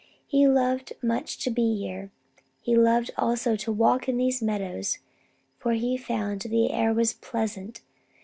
He loved much to be here. He loved also to walk these meadows, for He found the air was pleasant.